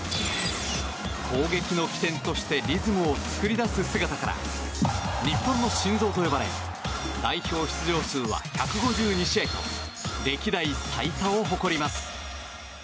攻撃の起点としてリズムを作り出す姿から日本の心臓と呼ばれ代表出場数は１５２試合と歴代最多を誇ります。